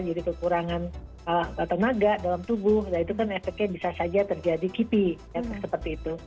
jadi kekurangan tenaga dalam tubuh dan itu kan efeknya bisa saja terjadi kipi seperti itu